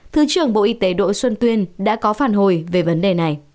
thứ trưởng bộ y tế đỗ xuân tuyên đã có phản hồi về vấn đề này